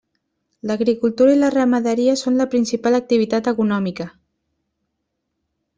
L'agricultura i la ramaderia són la principal activitat econòmica.